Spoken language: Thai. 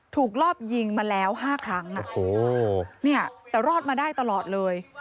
ถูกรอบยิงมาแล้วห้าครั้งนะโอ้โหเนี่ยแต่รอดมาได้ตลอดเลย